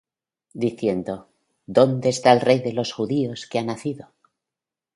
Diciendo: ¿Dónde está el Rey de los Judíos, que ha nacido?